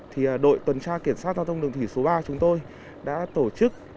thì đội tuần tra kiểm soát giao thông đường thủy số ba chúng tôi đã tổ chức